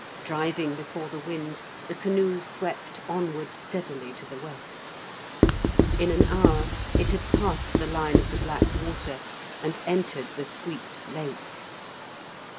Driving before the wind, the canoe swept onward steadily to the west. In an hour it had passed the line of the black water, and entered the sweet Lake.